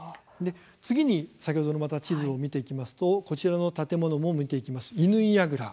次に、先ほどのまた地図を見ていきますとこちらの建物も見ていきます